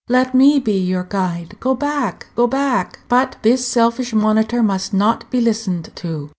Let me be your guide. Go back, go back!" But this selfish monitor must not be listened to.